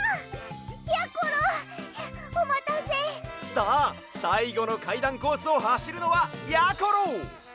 さあさいごのかいだんコースをはしるのはやころ！